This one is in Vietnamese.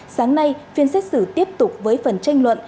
sáng nay phiên xét xử tiếp tục với phần tranh luận